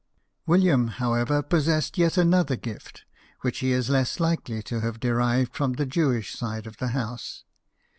William, however, possessed yet another gift, which he is less likely to have derived from the Jewish side of the house.